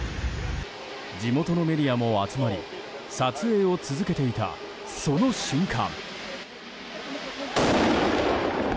地元のメディアも集まり撮影を続けていたその瞬間。